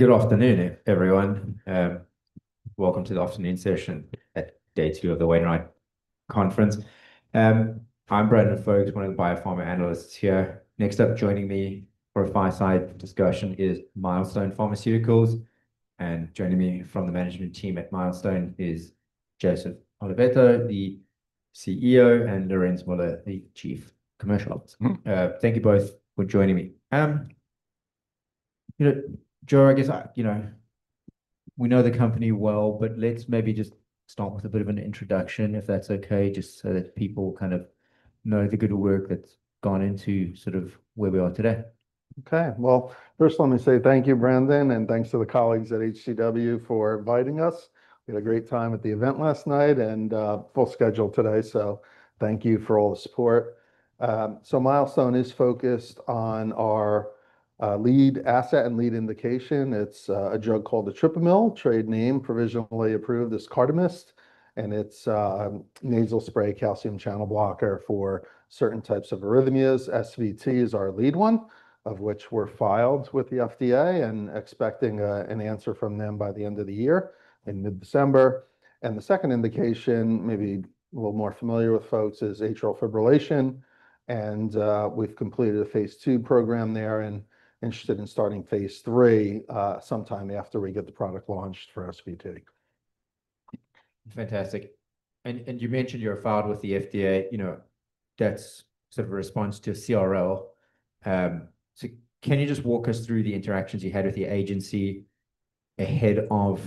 All right. Good afternoon, everyone. Welcome to the afternoon session at Day Two of the Wainwright Conference. I'm Brandon Folkes, one of the biopharma analysts here. Next up, joining me for a fireside discussion is Milestone Pharmaceuticals, and joining me from the management team at Milestone is Joseph Oliveto, the CEO, and Lorenz Muller, the Chief Commercial Officer. Thank you both for joining me. Joe, I guess, you know, we know the company well, but let's maybe just start with a bit of an introduction, if that's okay, just so that people kind of know the good work that's gone into sort of where we are today. Okay. Well, first, let me say thank you, Brandon, and thanks to the colleagues at HCW for inviting us. We had a great time at the event last night and full schedule today. So thank you for all the support. So Milestone is focused on our lead asset and lead indication. It's a drug called etripamil, trade name, provisionally approved as Cardamyst, and it's a nasal spray calcium channel blocker for certain types of arrhythmias. SVT is our lead one, of which we're filed with the FDA and expecting an answer from them by the end of the year in mid-December. And the second indication, maybe a little more familiar with folks, is atrial fibrillation. And we've completed a phase two program there and are interested in starting phase three sometime after we get the product launched for SVT. Fantastic. And you mentioned you've filed with the FDA, you know, that's sort of a response to CRL. So can you just walk us through the interactions you had with the agency ahead of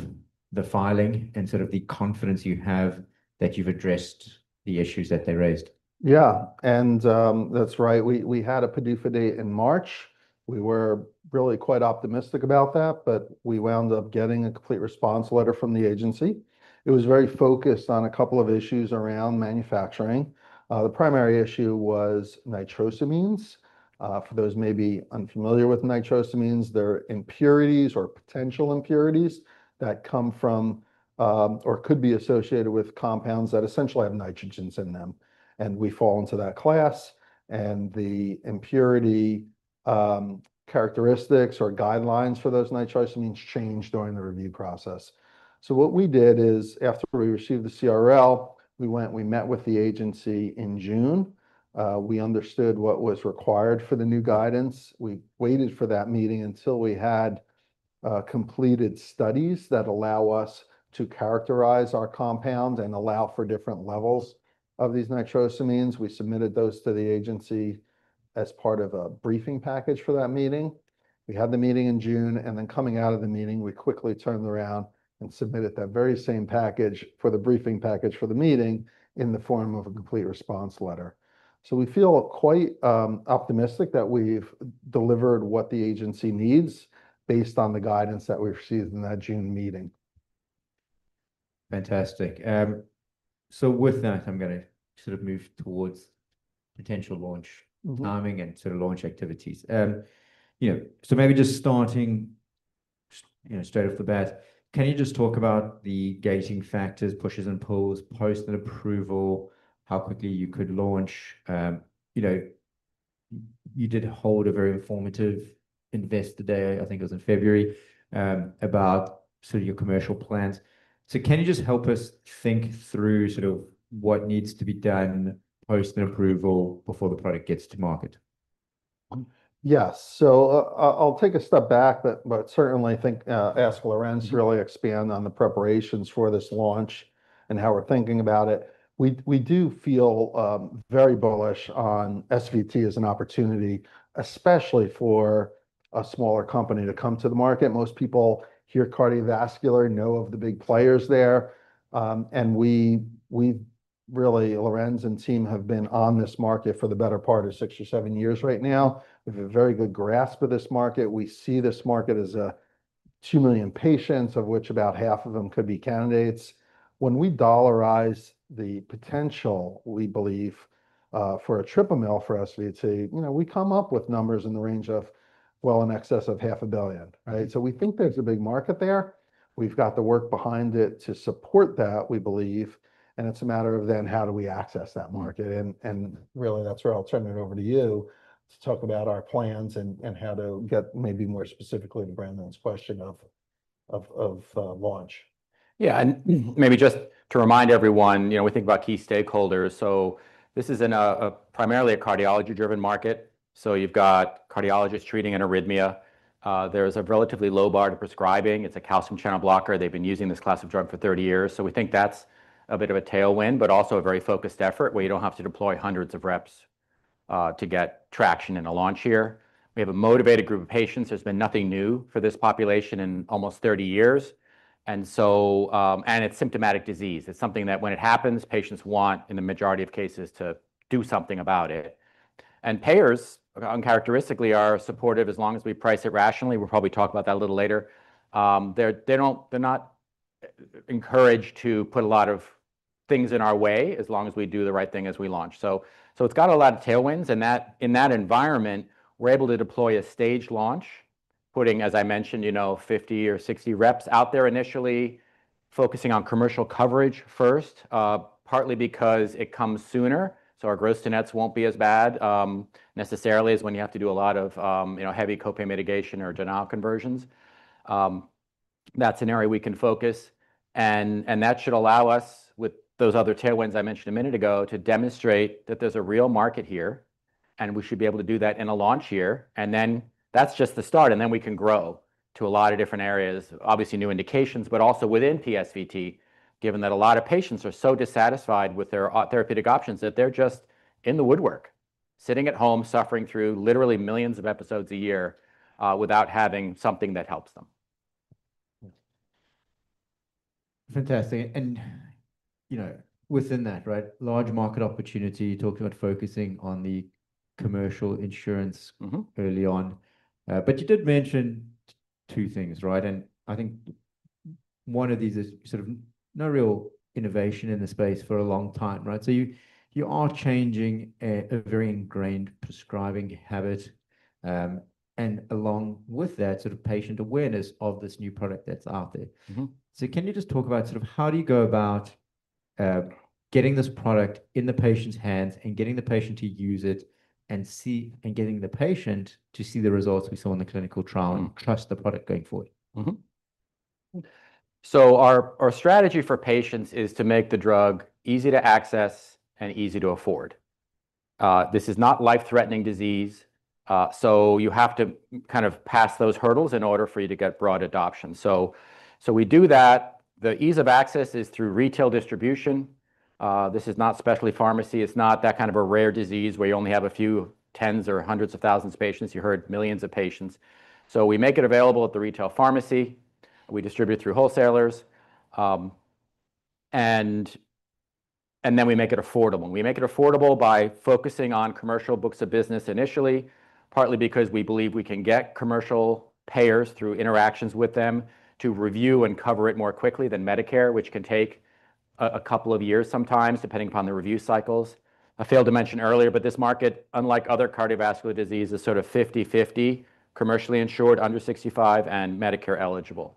the filing and sort of the confidence you have that you've addressed the issues that they raised? Yeah, and that's right. We had a PDUFA date in March. We were really quite optimistic about that, but we wound up getting a complete response letter from the agency. It was very focused on a couple of issues around manufacturing. The primary issue was nitrosamines. For those who may be unfamiliar with nitrosamines, they're impurities or potential impurities that come from or could be associated with compounds that essentially have nitrogens in them. And we fall into that class. And the impurity characteristics or guidelines for those nitrosamines change during the review process. So what we did is, after we received the CRL, we went, we met with the agency in June. We understood what was required for the new guidance. We waited for that meeting until we had completed studies that allow us to characterize our compounds and allow for different levels of these nitrosamines. We submitted those to the agency as part of a briefing package for that meeting. We had the meeting in June, and then coming out of the meeting, we quickly turned around and submitted that very same package for the briefing package for the meeting in the form of a Complete Response Letter, so we feel quite optimistic that we've delivered what the agency needs based on the guidance that we received in that June meeting. Fantastic. So with that, I'm going to sort of move towards potential launch timing and sort of launch activities. You know, so maybe just starting, you know, straight off the bat, can you just talk about the gating factors, pushes and pulls, post-approval, how quickly you could launch? You know, you did hold a very informative Investor Day, I think it was in February, about sort of your commercial plans. So can you just help us think through sort of what needs to be done post-approval before the product gets to market? Yeah, so I'll take a step back, but certainly think ask Lorenz to really expand on the preparations for this launch and how we're thinking about it. We do feel very bullish on SVT as an opportunity, especially for a smaller company to come to the market. Most people hear cardiovascular, know of the big players there. And we really, Lorenz and team have been on this market for the better part of six or seven years right now. We have a very good grasp of this market. We see this market as two million patients, of which about half of them could be candidates. When we dollarize the potential, we believe, for etripamil for SVT, you know, we come up with numbers in the range of, well, in excess of $500 million, right? So we think there's a big market there. We've got the work behind it to support that, we believe. And it's a matter of then how do we access that market? And really, that's where I'll turn it over to you to talk about our plans and how to get maybe more specifically to Brandon's question of launch. Yeah, and maybe just to remind everyone, you know, we think about key stakeholders. So this is primarily a cardiology-driven market. So you've got cardiologists treating an arrhythmia. There's a relatively low bar to prescribing. It's a calcium channel blocker. They've been using this class of drug for 30 years. So we think that's a bit of a tailwind, but also a very focused effort where you don't have to deploy hundreds of reps to get traction in a launch year. We have a motivated group of patients. There's been nothing new for this population in almost 30 years. And so, and it's symptomatic disease. It's something that when it happens, patients want in the majority of cases to do something about it. And payers, uncharacteristically, are supportive as long as we price it rationally. We'll probably talk about that a little later. They're not encouraged to put a lot of things in our way as long as we do the right thing as we launch. So it's got a lot of tailwinds. And in that environment, we're able to deploy a staged launch, putting, as I mentioned, you know, 50 or 60 reps out there initially, focusing on commercial coverage first, partly because it comes sooner. So our gross-to-net won't be as bad necessarily as when you have to do a lot of, you know, heavy copay mitigation or denial conversions. That's an area we can focus. And that should allow us, with those other tailwinds I mentioned a minute ago, to demonstrate that there's a real market here. And we should be able to do that in a launch year. And then that's just the start. Then we can grow to a lot of different areas, obviously new indications, but also within PSVT, given that a lot of patients are so dissatisfied with their therapeutic options that they're just in the woodwork, sitting at home, suffering through literally millions of episodes a year without having something that helps them. Fantastic. And, you know, within that, right, large market opportunity, you talked about focusing on the commercial insurance early on. But you did mention two things, right? And I think one of these is sort of no real innovation in the space for a long time, right? So you are changing a very ingrained prescribing habit. And along with that, sort of patient awareness of this new product that's out there. So can you just talk about sort of how do you go about getting this product in the patient's hands and getting the patient to use it and see, getting the patient to see the results we saw in the clinical trial and trust the product going forward? So our strategy for patients is to make the drug easy to access and easy to afford. This is not life-threatening disease. So you have to kind of pass those hurdles in order for you to get broad adoption. So we do that. The ease of access is through retail distribution. This is not specialty pharmacy. It's not that kind of a rare disease where you only have a few tens or hundreds of thousands of patients. You heard millions of patients. So we make it available at the retail pharmacy. We distribute it through wholesalers. And then we make it affordable. We make it affordable by focusing on commercial books of business initially, partly because we believe we can get commercial payers through interactions with them to review and cover it more quickly than Medicare, which can take a couple of years sometimes, depending upon the review cycles. I failed to mention earlier, but this market, unlike other cardiovascular diseases, is sort of 50-50, commercially insured under 65 and Medicare eligible.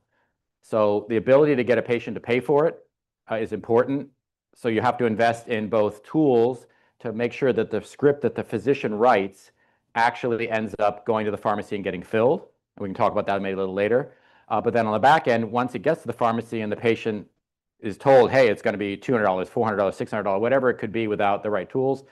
So the ability to get a patient to pay for it is important. So you have to invest in both tools to make sure that the script that the physician writes actually ends up going to the pharmacy and getting filled. And we can talk about that maybe a little later. But then on the back end, once it gets to the pharmacy and the patient is told, "Hey, it's going to be $200, $400, $600, whatever it could be without the right tools,"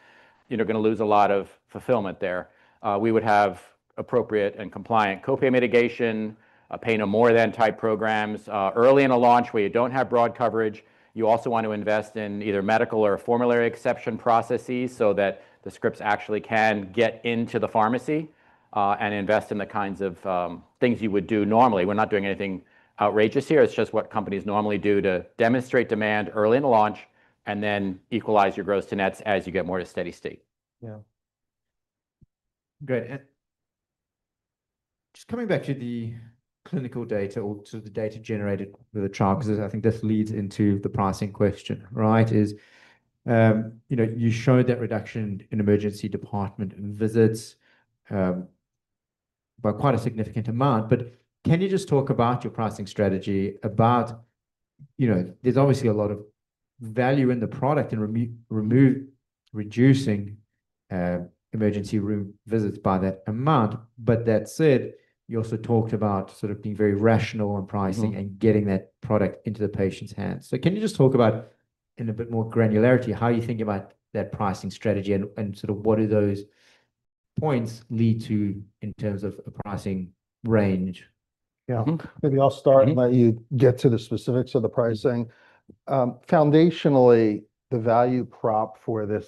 you're going to lose a lot of fulfillment there. We would have appropriate and compliant copay mitigation, a pay no more than type programs early in a launch where you don't have broad coverage. You also want to invest in either medical or formulary exception processes so that the scripts actually can get into the pharmacy and invest in the kinds of things you would do normally. We're not doing anything outrageous here. It's just what companies normally do to demonstrate demand early in a launch and then equalize your gross-to-net as you get more to steady state. Yeah. Great. Just coming back to the clinical data or to the data generated with the trial, because I think this leads into the pricing question, right? Is, you know, you showed that reduction in emergency department visits by quite a significant amount. But can you just talk about your pricing strategy about, you know, there's obviously a lot of value in the product and reducing emergency room visits by that amount. But that said, you also talked about sort of being very rational on pricing and getting that product into the patient's hands. So can you just talk about in a bit more granularity, how you think about that pricing strategy and sort of what do those points lead to in terms of a pricing range? Yeah, maybe I'll start and let you get to the specifics of the pricing. Foundationally, the value prop for this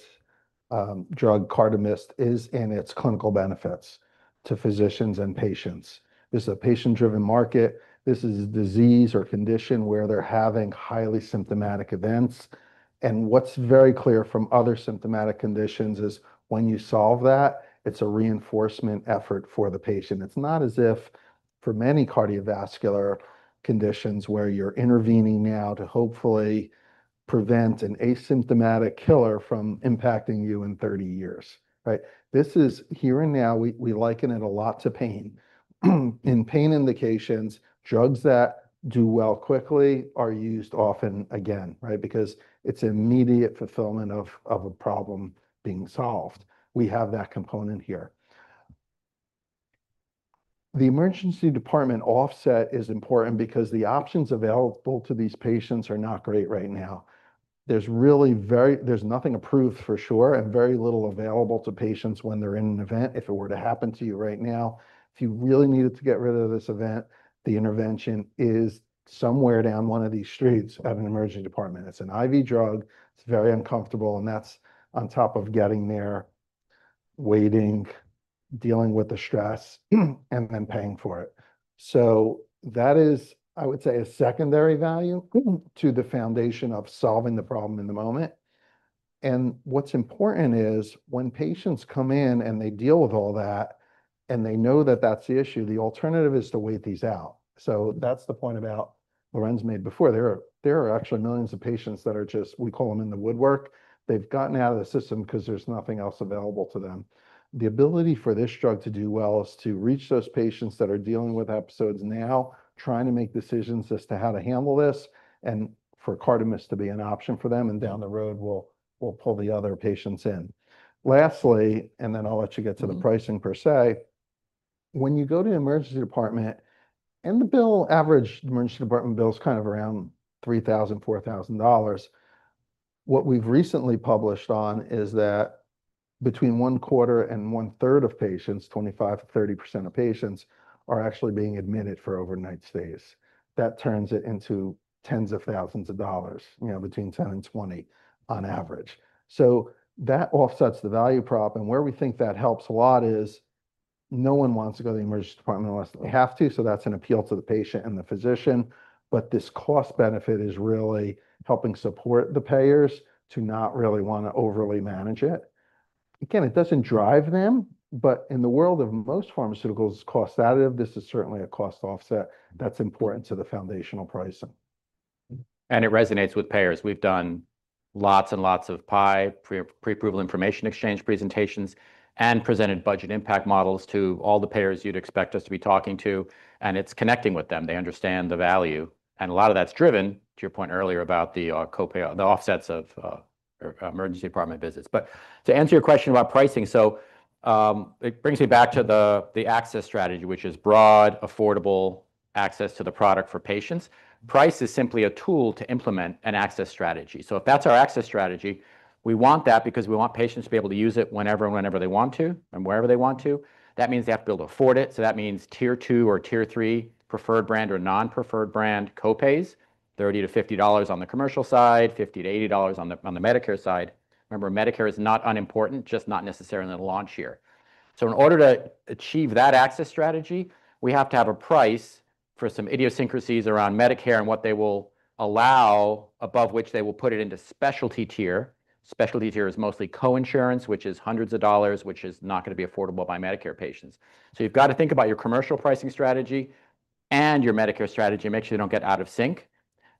drug, Cardamyst, is in its clinical benefits to physicians and patients. This is a patient-driven market. This is a disease or condition where they're having highly symptomatic events. And what's very clear from other symptomatic conditions is when you solve that, it's a reinforcement effort for the patient. It's not as if for many cardiovascular conditions where you're intervening now to hopefully prevent an asymptomatic killer from impacting you in 30 years, right? This is here and now. We liken it a lot to pain. In pain indications, drugs that do well quickly are used often again, right? Because it's immediate fulfillment of a problem being solved. We have that component here. The emergency department offset is important because the options available to these patients are not great right now. There's nothing approved for sure and very little available to patients when they're in an event. If it were to happen to you right now, if you really needed to get rid of this event, the intervention is somewhere down one of these streets at an emergency department. It's an IV drug. It's very uncomfortable, and that's on top of getting there, waiting, dealing with the stress, and then paying for it. So that is, I would say, a secondary value to the foundation of solving the problem in the moment. And what's important is when patients come in and they deal with all that and they know that that's the issue, the alternative is to wait these out. So that's the point about Lorenz made before. There are actually millions of patients that are just, we call them in the woodwork. They've gotten out of the system because there's nothing else available to them. The ability for this drug to do well is to reach those patients that are dealing with episodes now, trying to make decisions as to how to handle this and for Cardamyst to be an option for them, and down the road, we'll pull the other patients in. Lastly, and then I'll let you get to the pricing per se. When you go to the emergency department and the bill, average emergency department bill is kind of around $3,000-$4,000. What we've recently published on is that between one quarter and one third of patients, 25%-30% of patients are actually being admitted for overnight stays. That turns it into tens of thousands of dollars, you know, between $10,000 and $20,000 on average. So that offsets the value prop. Where we think that helps a lot is no one wants to go to the emergency department unless they have to. That's an appeal to the patient and the physician. This cost benefit is really helping support the payers to not really want to overly manage it. Again, it doesn't drive them. In the world of most pharmaceuticals, cost additive, this is certainly a cost offset that's important to the foundational pricing. It resonates with payers. We've done lots and lots of PIE, pre-approval information exchange presentations, and presented budget impact models to all the payers you'd expect us to be talking to. It's connecting with them. They understand the value. A lot of that's driven, to your point earlier about the copay, the offsets of emergency department visits. To answer your question about pricing, it brings me back to the access strategy, which is broad, affordable access to the product for patients. Price is simply a tool to implement an access strategy. If that's our access strategy, we want that because we want patients to be able to use it whenever and whenever they want to and wherever they want to. That means they have to be able to afford it. So that means tier two or tier three preferred brand or non-preferred brand copays, $30-$50 on the commercial side, $50-$80 on the Medicare side. Remember, Medicare is not unimportant, just not necessarily in the launch year. So in order to achieve that access strategy, we have to have a price for some idiosyncrasies around Medicare and what they will allow, above which they will put it into specialty tier. Specialty tier is mostly co-insurance, which is hundreds of dollars, which is not going to be affordable by Medicare patients. So you've got to think about your commercial pricing strategy and your Medicare strategy to make sure you don't get out of sync.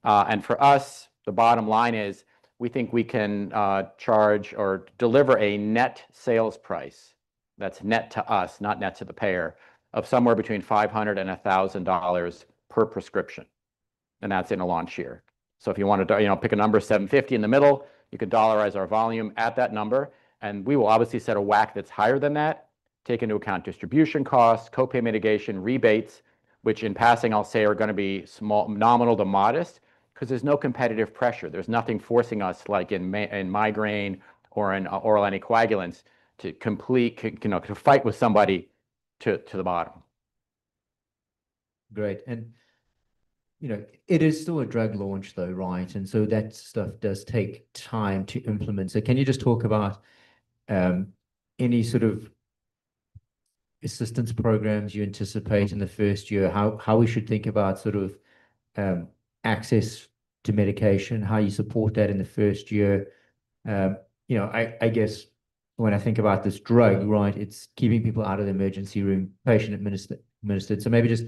For us, the bottom line is we think we can charge or deliver a net sales price that's net to us, not net to the payer, of somewhere between $500 and $1,000 per prescription. That's in a launch year. So if you want to, you know, pick a number, $750 in the middle, you can dollarize our volume at that number. We will obviously set a WAC that's higher than that, take into account distribution costs, copay mitigation, rebates, which in passing, I'll say, are going to be nominal to modest because there's no competitive pressure. There's nothing forcing us like in migraine or in oral anticoagulants to compete, you know, to fight with somebody to the bottom. Great. And, you know, it is still a drug launch though, right? And so that stuff does take time to implement. So can you just talk about any sort of assistance programs you anticipate in the first year, how we should think about sort of access to medication, how you support that in the first year? You know, I guess when I think about this drug, right, it's keeping people out of the emergency room, patient administered. So maybe just,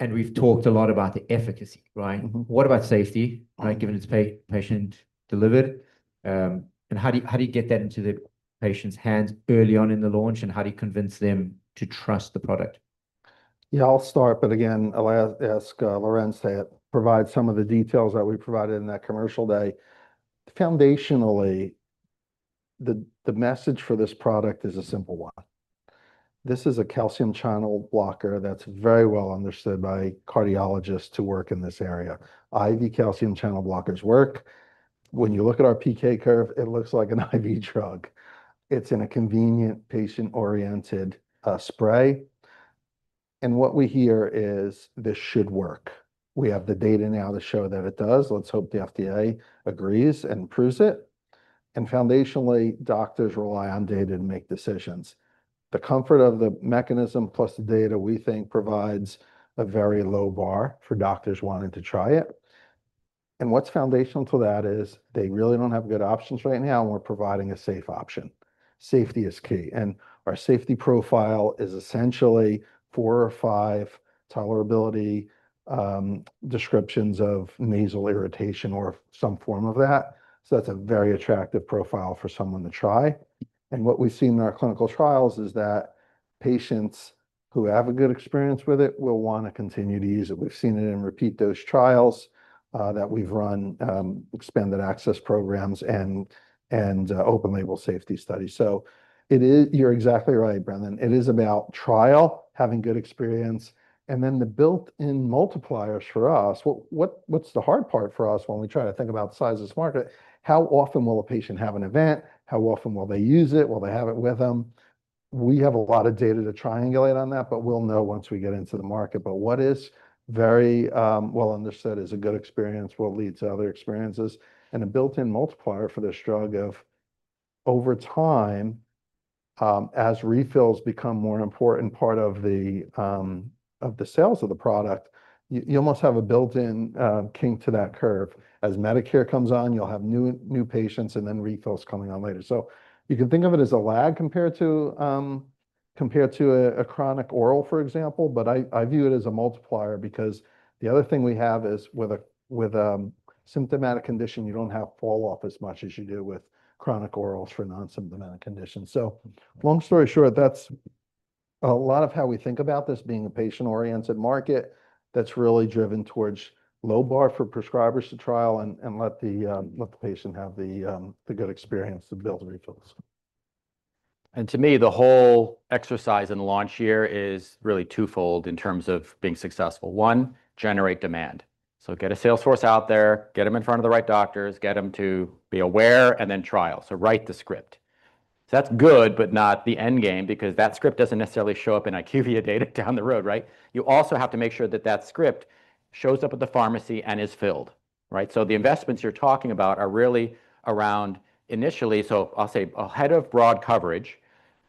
and we've talked a lot about the efficacy, right? What about safety, right, given it's patient-delivered? And how do you get that into the patient's hands early on in the launch? And how do you convince them to trust the product? Yeah, I'll start. But again, I'll ask Lorenz to provide some of the details that we provided in that commercial day. Foundationally, the message for this product is a simple one. This is a calcium channel blocker that's very well understood by cardiologists to work in this area. IV calcium channel blockers work. When you look at our PK curve, it looks like an IV drug. It's in a convenient patient-oriented spray. And what we hear is this should work. We have the data now to show that it does. Let's hope the FDA agrees and approves it. And foundationally, doctors rely on data to make decisions. The comfort of the mechanism plus the data, we think, provides a very low bar for doctors wanting to try it. And what's foundational to that is they really don't have good options right now, and we're providing a safe option. Safety is key, and our safety profile is essentially four or five tolerability descriptions of nasal irritation or some form of that, so that's a very attractive profile for someone to try, and what we've seen in our clinical trials is that patients who have a good experience with it will want to continue to use it. We've seen it in repeat dose trials that we've run, expanded access programs, and open-label safety studies, so it is, you're exactly right, Brandon. It is about trial, having good experience, and then the built-in multipliers for us, what's the hard part for us when we try to think about the size of this market? How often will a patient have an event? How often will they use it? Will they have it with them? We have a lot of data to triangulate on that, but we'll know once we get into the market. But what is very well understood is a good experience will lead to other experiences. And a built-in multiplier for this drug of over time, as refills become more important part of the sales of the product, you almost have a built-in kink to that curve. As Medicare comes on, you'll have new patients and then refills coming on later. So you can think of it as a lag compared to a chronic oral, for example. But I view it as a multiplier because the other thing we have is with a symptomatic condition, you don't have falloff as much as you do with chronic orals for non-symptomatic conditions. So long story short, that's a lot of how we think about this being a patient-oriented market that's really driven towards low bar for prescribers to trial and let the patient have the good experience to build refills. And to me, the whole exercise in the launch year is really twofold in terms of being successful. One, generate demand. So get a sales force out there, get them in front of the right doctors, get them to be aware, and then trial. So write the script. So that's good, but not the end game because that script doesn't necessarily show up in IQVIA data down the road, right? You also have to make sure that that script shows up at the pharmacy and is filled, right? So the investments you're talking about are really around initially, so I'll say ahead of broad coverage,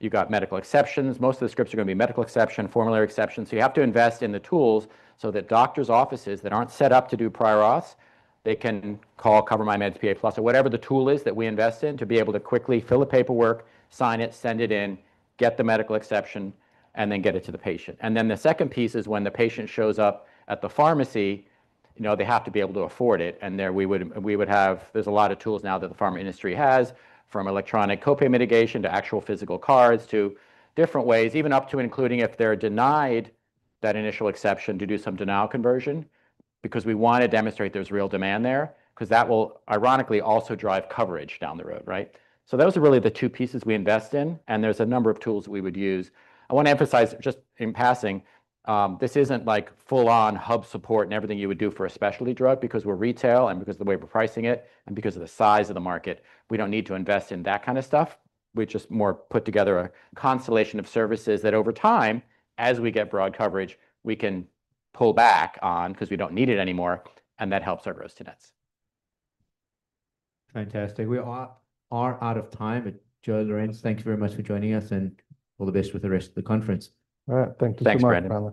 you've got medical exceptions. Most of the scripts are going to be medical exception, formulary exception. You have to invest in the tools so that doctors' offices that aren't set up to do prior auths, they can call CoverMyMeds PA Plus or whatever the tool is that we invest in to be able to quickly fill the paperwork, sign it, send it in, get the medical exception, and then get it to the patient. The second piece is when the patient shows up at the pharmacy, you know, they have to be able to afford it. There we would have, there's a lot of tools now that the pharma industry has, from electronic copay mitigation to actual physical cards to different ways, even up to including if they're denied that initial exception to do some denial conversion, because we want to demonstrate there's real demand there, because that will ironically also drive coverage down the road, right? Those are really the two pieces we invest in. And there's a number of tools that we would use. I want to emphasize just in passing, this isn't like full-on hub support and everything you would do for a specialty drug because we're retail and because of the way we're pricing it and because of the size of the market. We don't need to invest in that kind of stuff. We just more put together a constellation of services that over time, as we get broad coverage, we can pull back on because we don't need it anymore. And that helps our gross-to-net. Fantastic. We are out of time. Joe, Lorenz, thank you very much for joining us and all the best with the rest of the conference. All right. Thank you so much, Brandon.